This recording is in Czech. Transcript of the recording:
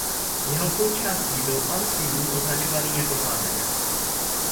Jeho součástí byl panský dům označovaný jako zámek.